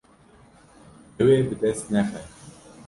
Ew ê bi dest nexe.